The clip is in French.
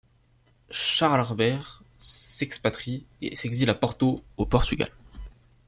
Charles-Albert s'expatrie et s'exile à Porto au Portugal.